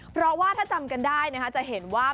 เพราะว่าถ้าจำกันได้จะเห็นว่า